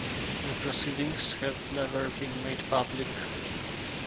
The proceedings have never been made public.